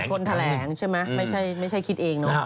เป็นคนแถลงใช่ไหมไม่ใช่คิดเอง